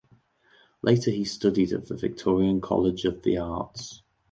Later he studied at the Victorian College of the Arts.